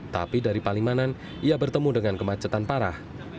tapi dari palimanan ia bertemu dengan kemacetan parah